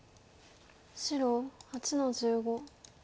白８の十五。